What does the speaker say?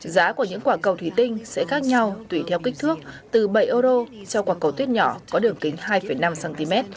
giá của những quả cầu thủy tinh sẽ khác nhau tùy theo kích thước từ bảy euro cho quả cầu tuyết nhỏ có đường kính hai năm cm